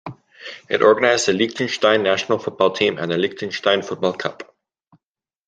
It organizes the Liechtenstein national football team and the Liechtenstein Football Cup.